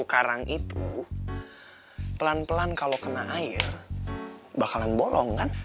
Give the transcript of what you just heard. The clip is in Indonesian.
karang itu pelan pelan kalau kena air bakalan bolong kan